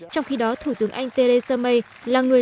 trong khi đó thủ tướng anh theresa may là người luôn giữ được